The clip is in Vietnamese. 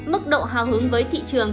mức độ hào hứng với thị trường